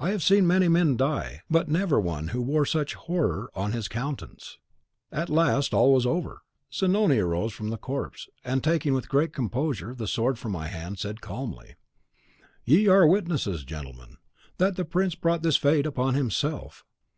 I have seen many men die, but never one who wore such horror on his countenance. At last all was over! Zanoni rose from the corpse, and, taking, with great composure, the sword from my hand, said calmly, 'Ye are witnesses, gentlemen, that the prince brought his fate upon himself.